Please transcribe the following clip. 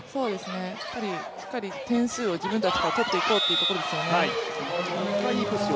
しっかり点数を自分たちが取っていこうということですよね。